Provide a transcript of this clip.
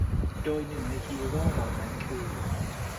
โดยหนึ่งในฮีโร่เหล่านั้นคือ